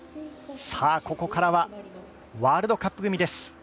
ここからはワールドカップ組です。